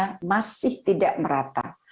vaksin dunia masih tidak merata